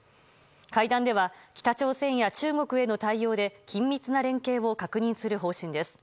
会談では北朝鮮や中国への対応で緊密な連携を確認する方針です。